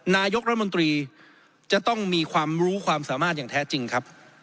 นายกรัฐมนตรีจะต้องมีความรู้ความสามารถอย่างแท้จริงครับ